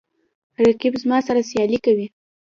رقیب زما سره سیالي کوي